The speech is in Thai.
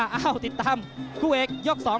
อ้าวติดตามผู้เอกยก๒ครับ